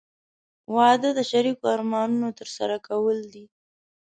• واده د شریکو ارمانونو ترسره کول دي.